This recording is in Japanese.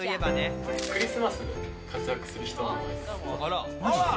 クリスマスに活躍する人の名前。